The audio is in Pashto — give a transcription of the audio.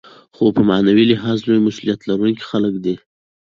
خو په معنوي لحاظ لوی مسوولیت لرونکي خلک دي.